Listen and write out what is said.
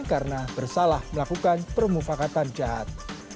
karena bersalah melakukan permufakatan jahat